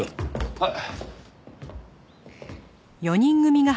はい。